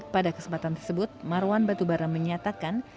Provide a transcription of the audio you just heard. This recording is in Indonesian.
pada kesempatan tersebut marwan batubara menyatakan